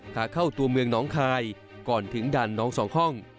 ขาเข้าตัวเมืองน้องคายก่อนถึงด่านน้องสองห้อง